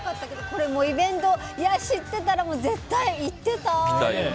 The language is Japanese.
このイベント知ってたら絶対行ってた。